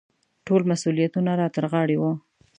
ټول مسوولیتونه را ترغاړې وو.